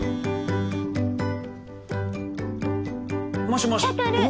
もしもし。